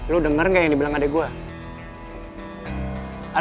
lo denger gak yang dibilang adek gue